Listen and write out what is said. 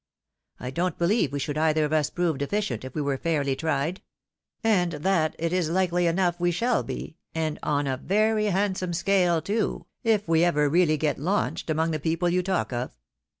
I don't believe we should either of us prove deficient if we were fairly tried ; and that, it is likely enough we shall be, and on a very handsome scale, too, if we ever really get launched among the people you talk of.